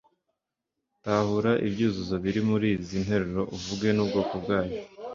tahura ibyuzuzo biri muri izi nteruro, uvuge n'ubwoko bwabyo